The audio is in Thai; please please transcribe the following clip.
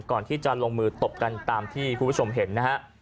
ก่อนที่จะลงมือตบกันตามที่คุณผู้ชมเห็นนะฮะ